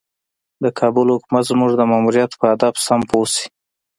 د کابل حکومت زموږ د ماموریت په هدف سم پوه شي.